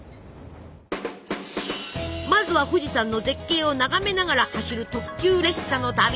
まずは富士山の絶景を眺めながら走る特急列車の旅！